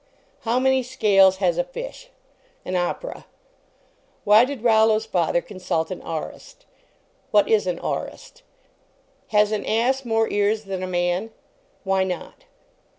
How many scales has a fish ? An opera ? Why did Rollo s father consult an aurist ? What is an auri^t ? lias an ass more ears than a man? Whv not